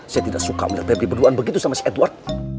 saya tidak suka melihat febri berduaan begitu sama edward